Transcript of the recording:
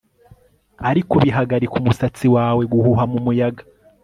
ariko bihagarika umusatsi wawe guhuha mumuyaga